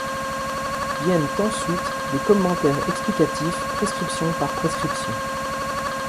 Viennent ensuite des commentaires explicatifs, prescription par prescription.